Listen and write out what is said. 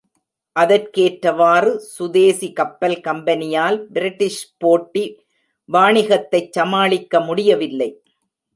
அதற்கேற்றவாறு, சுதேசி கப்பல் கம்பெனியால் பிரிட்டிஷ் போட்டி வாணிகத்தைச் சமாளிக்க முடியவில்லை.